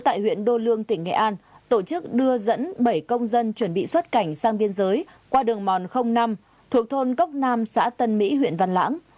tại huyện đô lương tỉnh nghệ an tổ chức đưa dẫn bảy công dân chuẩn bị xuất cảnh sang biên giới qua đường mòn năm thuộc thôn cốc nam xã tân mỹ huyện văn lãng